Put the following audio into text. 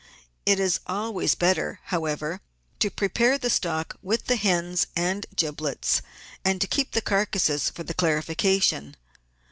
It is always better, however, to pre pare the stock with the hens and giblets and to keep the carcases for the clarification.